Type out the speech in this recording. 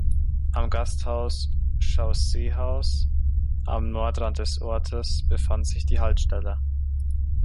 Am Gasthaus „Chausseehaus“ am Nordrand des Ortes befand sich die Haltestelle.